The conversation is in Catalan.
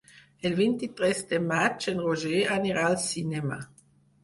El vint-i-tres de maig en Roger anirà al cinema.